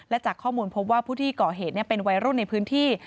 และจากข้อมูลพบว่าผู้ที่ก่อเหตุเป็นวัยรุ่นในพื้นที่